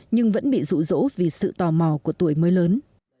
nhưng vẫn bị rụ rỗ vì sự tò mò của tuổi mới lớn